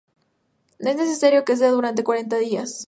No es necesario que sea durante cuarenta días.